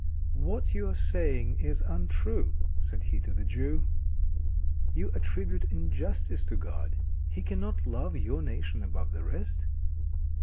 "What you are saying is untrue," said he to the Jew. "You attribute injustice to God. He cannot love your nation above the rest.